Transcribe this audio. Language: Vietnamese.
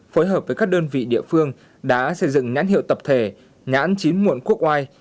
phối hợp với các đơn vị địa phương đã xây dựng nhãn hiệu tập thể nhãn chín muộn quốc oai